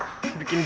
ini udah berhasil